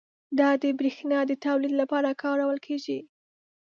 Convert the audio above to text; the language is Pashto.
دا د بریښنا د تولید لپاره کارول کېږي.